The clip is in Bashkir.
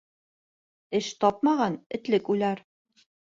Эш тапмаған этлек уйлар.